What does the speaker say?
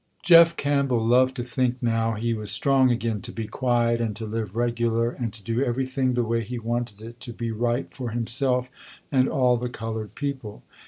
Jeff Campbell loved to think now he was strong again to be quiet, and to live regular, and to do everything the way he wanted it to be right for himself and all the colored people.